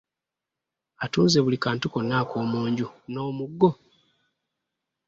Atunze buli kantu konna ak’omunju n’omuggo?